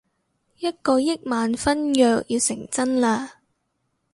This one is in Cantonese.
一個億萬婚約要成真喇